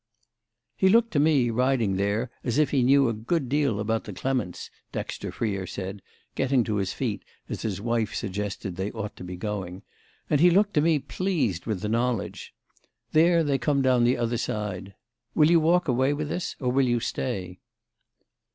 "He looked to me, riding there, as if he knew a good deal about the Clements," Dexter Freer said, getting to his feet as his wife suggested they ought to be going; "and he looked to me pleased with the knowledge. There they come down the other side. Will you walk away with us or will you stay?"